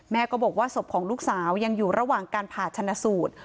ก็บอกว่าศพของลูกสาวยังอยู่ระหว่างการผ่าชนะสูตร